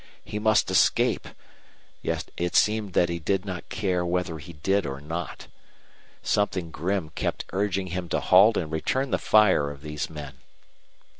He must escape, yet it seemed that he did not care whether he did or not. Something grim kept urging him to halt and return the fire of these men.